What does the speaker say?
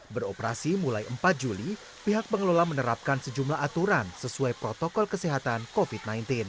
beroperasi mulai empat juli pihak pengelola menerapkan sejumlah aturan sesuai protokol kesehatan covid sembilan belas